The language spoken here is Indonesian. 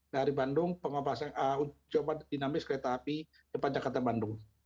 dari bandung pengoperasian uji coba dinamis kereta api depan jakarta bandung